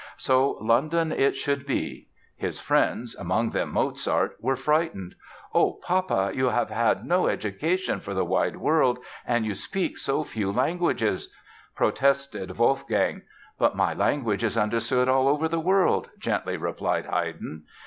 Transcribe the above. So London it should be! His friends—among them Mozart—were frightened. "Oh, Papa, you have had no education for the wide world, and you speak so few languages," protested Wolfgang. "But my language is understood all over the world," gently replied Haydn.